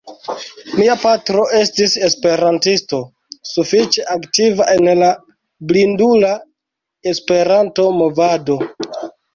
Mia patro estis esperantisto, sufiĉe aktiva en la blindula E-movado.